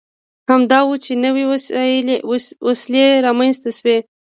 همدا و چې نوې وسیلې رامنځته شوې.